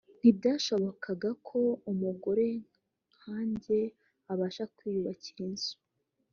ntibyashobokaga ko umugore nkanjye abasha kwiyubakira inzu